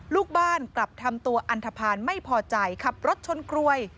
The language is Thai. ลูกบ้านกลับทำตัวอันทภาณไม่พอใจขับรถชนกรวย